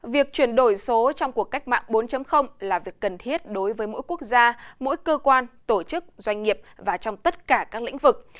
việc chuyển đổi số trong cuộc cách mạng bốn là việc cần thiết đối với mỗi quốc gia mỗi cơ quan tổ chức doanh nghiệp và trong tất cả các lĩnh vực